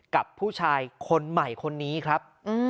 กับผู้ชายคนใหม่คนนี้ครับ